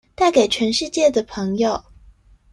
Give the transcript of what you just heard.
帶給全世界的朋友